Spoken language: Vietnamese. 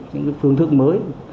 những cái phương thức mới